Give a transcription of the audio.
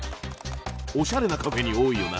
おしゃれなカフェに多いよな。